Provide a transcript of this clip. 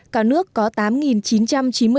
cả nước có tám chín trăm chín mươi doanh nghiệp đăng ký